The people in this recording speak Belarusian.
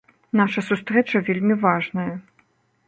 Наша сустрэча вельмі важная.